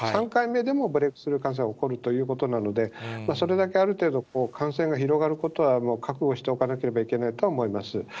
３回目でもブレークスルー感染は起こるということなので、それだけある程度、感染が広がることは、覚悟しておかなければいけないと思います。